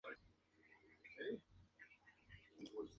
El mayor falleció unos años antes que ella.